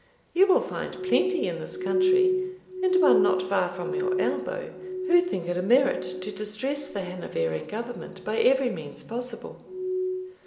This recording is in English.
You will find plenty in this country, and one not far from your elbow, who think it a merit to distress the Hanoverian government by every means possible."